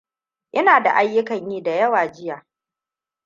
Ina da ayyukan yi da yawa jiya.